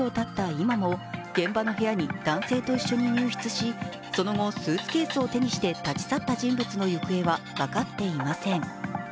今も現場の部屋に男性と一緒に入室し、その後スーツケースを手にして立ち去った人物の行方は分かっていません。